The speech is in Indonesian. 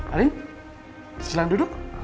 arief silahkan duduk